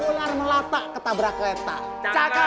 ular melata ketabrak letak